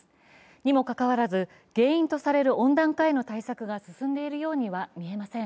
にもかかわらず、原因とされる温暖化への対策が進んでいるようには見えません。